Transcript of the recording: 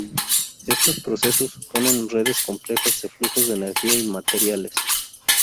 Estos procesos suponen redes complejas de flujos de energía y materiales.